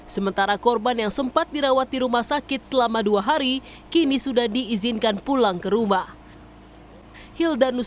sementara korban yang sempat dirawat di rumah sakit selama dua hari kini sudah diizinkan pulang ke rumah